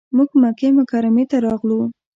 موږ مکې مکرمې ته راغلو.